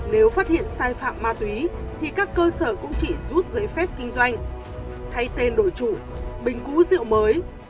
nếu phát hiện sai phạm ma túy thì các cơ sở cũng chỉ rút giấy phép kinh doanh thay tên đổi chủ bình cũ rượu mới